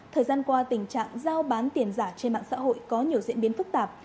thời gian qua tình trạng giao bán tiền giả trên mạng xã hội có nhiều diễn biến phức tạp